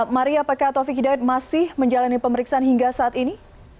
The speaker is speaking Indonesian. maria apakah taufik hidayat masih menjalani pemeriksaan hingga saat ini